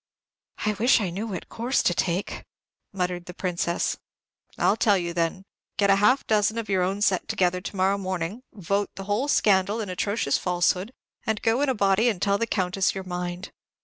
"I wish I knew what course to take," muttered the Princess. "I'll tell you, then. Get half a dozen of your own set together to morrow morning, vote the whole story an atrocious falsehood, and go in a body and tell the Countess your mind.